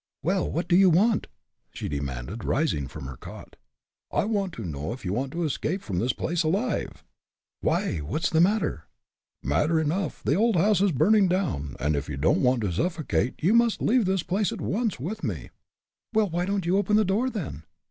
"Well, what do you want?" she demanded, rising from her cot. "I want to know if you want to escape from this place alive?" "Why, what is the matter?" "Matter enough! The old house above is burning down, and if you don't want to suffocate you must leave this place at once, with me." "Well, why don't you open the door, then?"